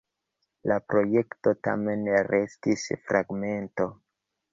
La projekto tamen restis fragmento.